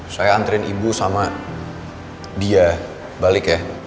saya antrin ibu sama dia balik ya